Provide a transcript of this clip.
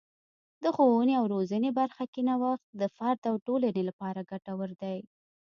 د ښوونې او روزنې برخه کې نوښت د فرد او ټولنې لپاره ګټور دی.